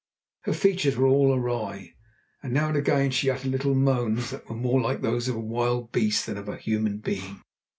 Her features were all awry, and now and again she uttered little moans that were more like those of a wild beast than of a human being.